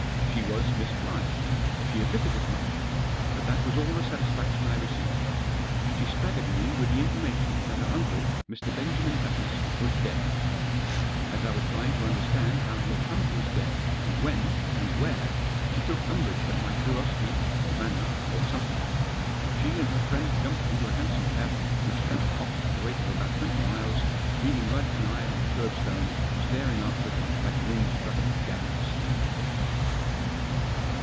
She was Miss Blyth. She admitted as much. But that was all the satisfaction I received. She staggered me with the information that her uncle, Mr. Benjamin Batters, was dead. As I was trying to understand how he had come to his death, and when, and where, she took umbrage at my curiosity, or manner, or something. She and her friend jumped into a hansom cab, which dashed off at the rate of about twenty miles, leaving Rudd and I on the kerbstone, staring after it like moonstruck gabies.